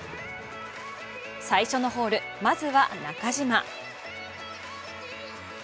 最初のホール、まずは中島。